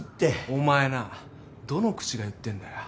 お前などの口が言ってんだよ。